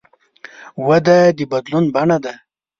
وده د بدلون بڼه ده.